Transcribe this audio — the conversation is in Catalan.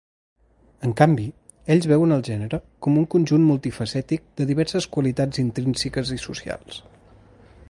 En canvi, ells veuen el gènere com un conjunt multifacètic de diverses qualitats intrínseques i socials.